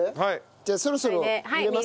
じゃあそろそろ入れますね。